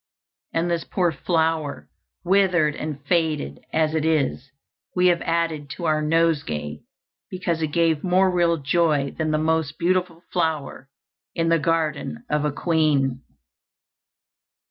And this poor flower, withered and faded as it is, we have added to our nosegay, because it gave more real joy than the most beautiful flower in the garden of a queen."